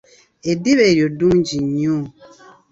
Eddiba eryo ddungi nnyo.